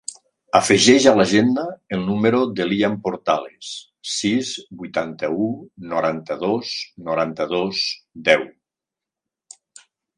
Afegeix a l'agenda el número del Lian Portales: sis, vuitanta-u, noranta-dos, noranta-dos, deu.